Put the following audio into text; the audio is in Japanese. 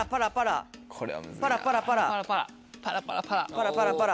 パラパラパラ？